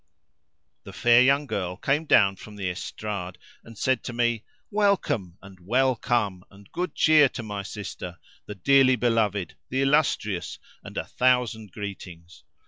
The fair young girl came down from the estrade and said to me, "Welcome and well come and good cheer to my sister, the dearly beloved, the illustrious, and a thousand greetings!"